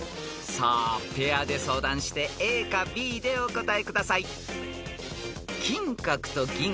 ［さあペアで相談してＡかＢでお答えください］